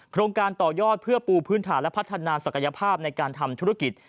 โครงการต่อยอดเพื่อปูพื้นฐานและพัฒนาศักยภาพในการทำธุรกิจ